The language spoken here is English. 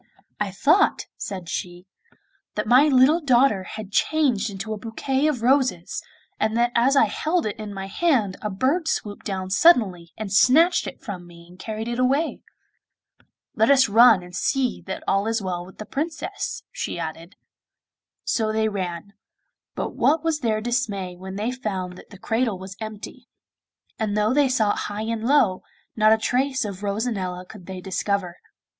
'I thought,' said she, 'that my little daughter had changed into a bouquet of roses, and that as I held it in my hand a bird swooped down suddenly and snatched it from me and carried it away.' 'Let some one run and see that all is well with the Princess,' she added. So they ran; but what was their dismay when they found that the cradle was empty; and though they sought high and low, not a trace of Rosanella could they discover.